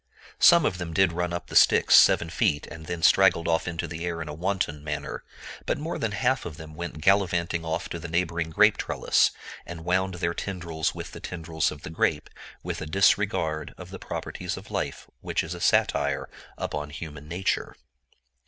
Some of them did run up the sticks seven feet, and then straggled off into the air in a wanton manner; but more than half of them went gallivanting off to the neighboring grape trellis, and wound their tendrils with the tendrils of the grape, with a disregard of the proprieties of life which is a satire upon human nature.